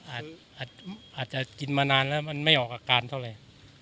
อาจจะกินมานานแล้วมันไม่ออกอาการเท่าไหร่